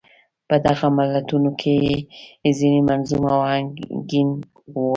په دغو متلونو کې يې ځينې منظوم او اهنګين وو.